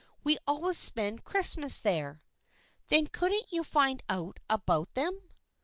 We always spend Christmas there." " Then couldn't you find out about them